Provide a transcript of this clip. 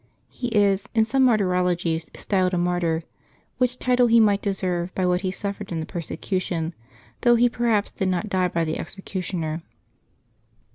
He is, in some Martyrologies, styled a martyr, which title he might deserve by what he suffered in the persecution, though he perhaps did not die by the executioner.